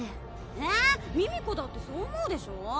ええ美々子だってそう思うでしょ？